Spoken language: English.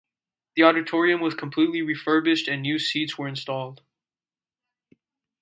The auditorium was completely refurbished and new seats were installed.